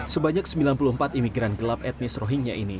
sebanyak sembilan puluh empat imigran gelap etnis rohingya ini